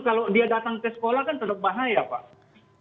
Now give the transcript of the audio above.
kalau dia datang ke sekolah kan terlalu bahaya pak